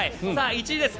１位です。